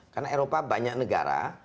karena eropa banyak negara